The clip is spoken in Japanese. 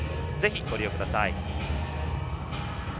ぜひ、ご利用ください。